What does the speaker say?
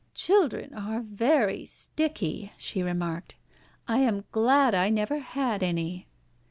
"Children are very sticky," she remarked. "I am glad I never had any."